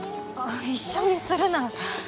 一緒にするな。